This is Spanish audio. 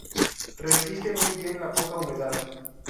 Resiste muy bien la poca humedad.